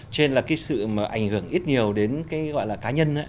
trên là sự ảnh hưởng ít nhiều đến cá nhân